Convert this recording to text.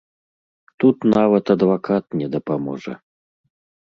Тут нават адвакат не дапаможа.